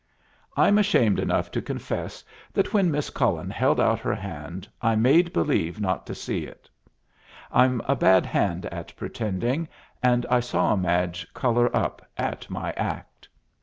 I'm ashamed enough to confess that when Miss Cullen held out her hand I made believe not to see it. I'm a bad hand at pretending, and I saw Madge color up at my act.